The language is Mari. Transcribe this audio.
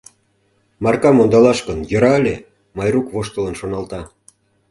«Маркам ондалаш гын, йӧра ыле», — Майрук воштылын шоналта.